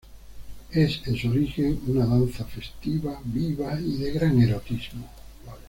Es en su origen una danza festiva, viva y de gran erotismo.